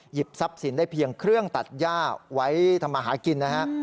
ทรัพย์สินได้เพียงเครื่องตัดย่าไว้ทำมาหากินนะฮะ